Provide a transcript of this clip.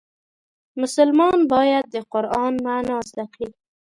مسلمان باید د قرآن معنا زده کړي.